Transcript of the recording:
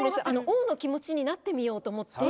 王の気持ちになってみようと思って。